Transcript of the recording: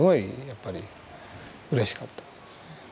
やっぱりうれしかったんですね。